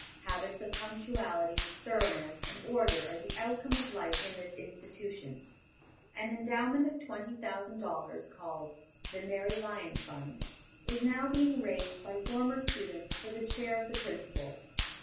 Habits of punctuality, thoroughness, and order are the outcome of life in this institution. An endowment of twenty thousand dollars, called "the Mary Lyon Fund," is now being raised by former students for the Chair of the Principal.